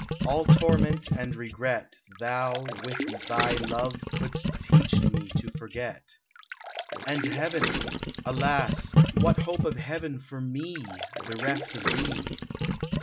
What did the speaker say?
All torment and regret Thou, with thy love, couldst teach me to forget ; And heaven — Alas ! what hope of heaven for me Bereft of thee